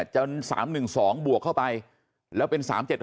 จน๓๑๒บวกเข้าไปแล้วเป็น๓๗๘